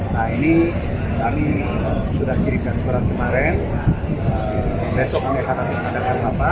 nah ini kami sudah kirimkan surat kemarin besok ini akan mengadakan apa